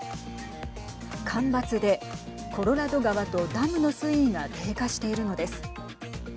干ばつでコロラド川とダムの水位が低下しているのです。